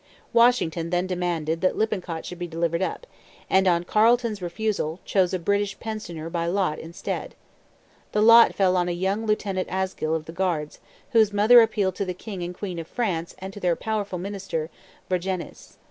Washington then demanded that Lippincott should be delivered up; and, on Carleton's refusal, chose a British prisoner by lot instead. The lot fell on a young Lieutenant Asgill of the Guards, whose mother appealed to the king and queen of France and to their powerful minister, Vergennes.